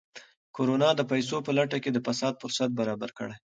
کرونا د پیسو په لټه کې د فساد فرصت برابر کړی.